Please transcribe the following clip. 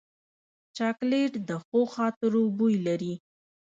چاکلېټ د ښو خاطرو بوی لري.